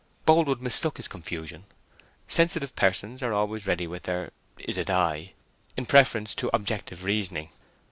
Boldwood mistook his confusion: sensitive persons are always ready with their "Is it I?" in preference to objective reasoning.